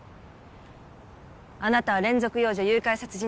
あなたは連続幼女誘拐殺人事件の犯人